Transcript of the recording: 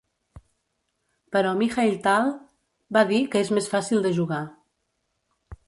Però Mikhaïl Tal, va dir que és més fàcil de jugar.